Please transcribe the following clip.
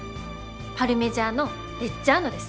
パルミジャーノ・レッジャーノです。